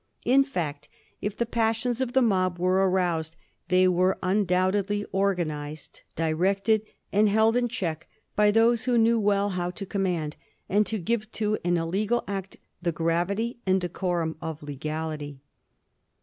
In fact, if the passions of the mob were aroused they were undoubtedly organized, directed, and held in check by those who knew well how to com mand, and to give to an illegal act the gravity and de corum of legality.